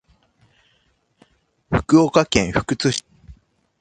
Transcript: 福岡県福津市